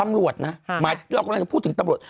ตำรวจนะหมายถึงพูดถึงตำรวจ